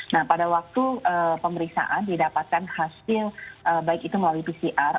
nah pada waktu pemeriksaan didapatkan hasil baik itu melalui pcr